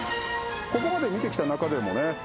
ここまで見てきた中でもね